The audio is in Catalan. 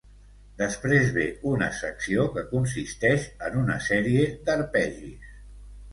Després ve una secció que consisteix en una sèrie d'arpegis.